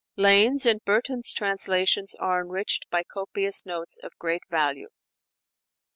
Lane's and Burton's translations are enriched by copious notes of great value.